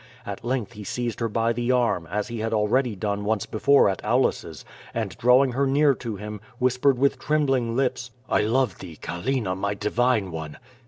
At length he seized her by the arm, as he had already done once before at Aulus's, and drawing her near to him, whispered with trembling lips: *T! love thee, Callina, my divine one!